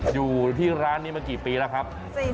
อยู่ที่ร้านนี้มากี่ปีแล้วครับ